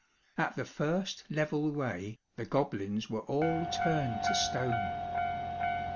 At the first level ray, the goblins were all turned to stone.